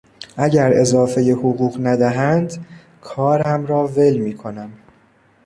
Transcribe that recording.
اگر اضافه حقوق ندهند کارم را ول میکنم.